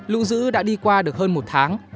lũ dữ đã đi qua được hơn một tháng